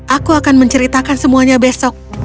aku akan menceritakan semuanya besok